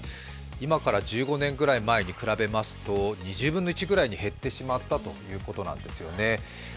今から１５年ぐらい前に比べますと２０分の１ぐらいまで減ってしまったということなんですね。